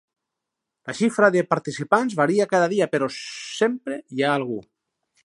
La xifra de participants varia cada dia, però sempre hi ha algú.